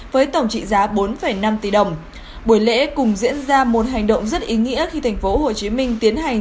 với tổng trị giá bốn năm tỷ đồng buổi lễ cùng diễn ra một hành động rất ý nghĩa khi tp hcm tiến hành